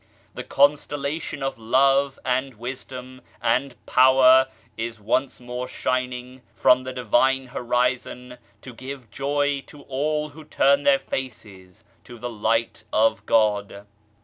The constellation of Love and Wisdom and Power is once more shining from the Divine Horizon to give joy to all who turn their faces to the Light of God.